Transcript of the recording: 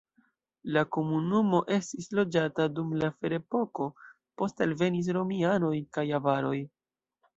La komunumo estis loĝata dum la ferepoko, poste alvenis romianoj kaj avaroj.